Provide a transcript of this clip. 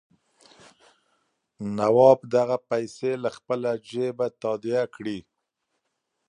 نواب دغه پیسې له خپله جېبه تادیه کړي.